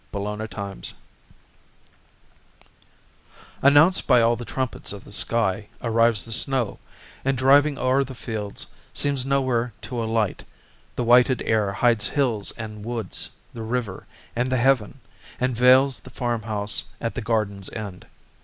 THE SNOW STORM Announced by all the trumpets of the sky, Arrives the snow, and, driving o'er the fields, Seems nowhere to alight: the whited air Hides hills and woods, the river, and the heaven, And veils the farm house at the garden's end.